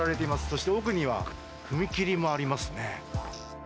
そして奥には踏切もありますね。